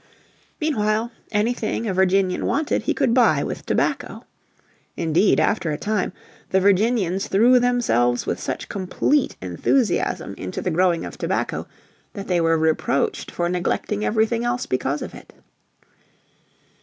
Meanwhile, anything a Virginian wanted he could buy with tobacco. Indeed, after a time the Virginians threw themselves with such complete enthusiasm into the growing of tobacco that they were reproached for neglecting everything else because of it.